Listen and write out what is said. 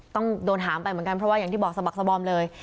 ต้องโดนถามไปเหมือนกันเพราะว่าอย่างที่บอกสะบักสบอมเลย